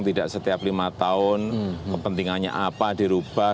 tidak setiap lima tahun kepentingannya apa dirubah